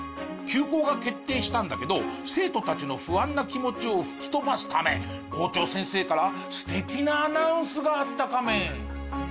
休校が決定したんだけど生徒たちの不安な気持ちを吹き飛ばすため校長先生から素敵なアナウンスがあったカメ。